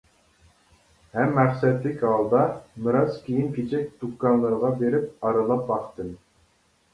ھەم مەقسەتلىك ھالدا مىراس كىيىم-كېچەك دۇكانلىرىغا بېرىپ ئارىلاپ باقتىم.